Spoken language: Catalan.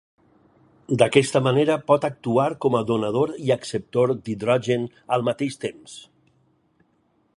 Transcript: D'aquesta manera, pot actuar com a donador i acceptor d'hidrogen al mateix temps.